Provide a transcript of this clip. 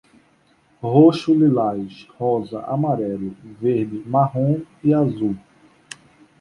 Roxo, lilás, rosa, amarelo, verde, marrom e azul